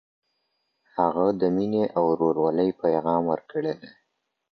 هغه د ميني او ورورولۍ پيغام ورکړی دی.